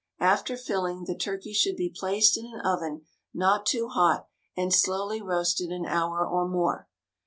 After filling, the turkey should be placed in an oven not too hot, and slowly roasted an hour or more.